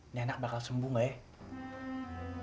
nyanak bakal sembuh gak ya